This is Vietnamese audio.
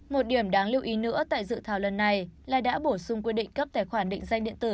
một điểm đáng lưu ý nữa tại dự thảo lần này là đã bổ sung quy định cấp tài khoản định danh điện tử